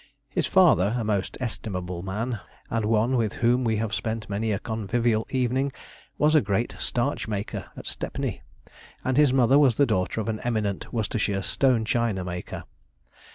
His father, a most estimable man, and one with whom we have spent many a convivial evening, was a great starch maker at Stepney; and his mother was the daughter of an eminent Worcestershire stone china maker.